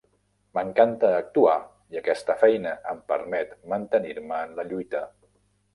M'encanta actuar i aquesta feina em permet mantenir-me en la lluita.